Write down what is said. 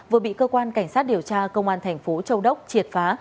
vừa bị cơ quan cảnh sát điều tra công an thành phố châu đốc triệt phá